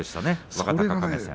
若隆景戦。